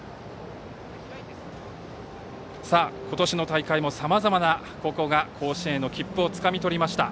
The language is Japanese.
今年の大会もさまざまな高校が甲子園への切符をつかみとりました。